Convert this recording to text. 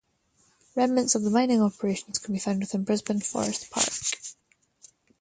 Remnants of the mining operations can be found within Brisbane Forest Park.